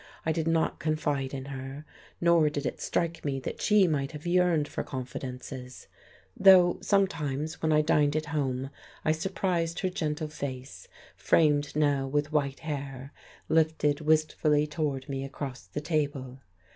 I did not confide in her, nor did it strike me that she might have yearned for confidences; though sometimes, when I dined at home, I surprised her gentle face framed now with white hair lifted wistfully toward me across the table.